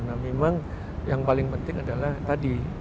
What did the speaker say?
nah memang yang paling penting adalah tadi